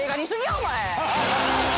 お前。